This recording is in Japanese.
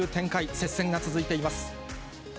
接戦が続いています。